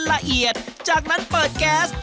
ละเอียดจากนั้นเปิดแก๊ส